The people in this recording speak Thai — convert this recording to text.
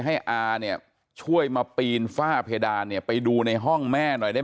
อาเนี่ยช่วยมาปีนฝ้าเพดานเนี่ยไปดูในห้องแม่หน่อยได้